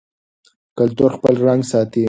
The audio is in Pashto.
کلتور خپل رنګ ساتي.